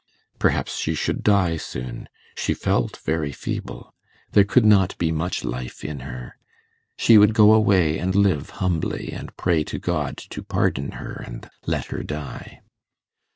Perhaps she should die soon: she felt very feeble; there could not be much life in her. She would go away and live humbly, and pray to God to pardon her, and let her die.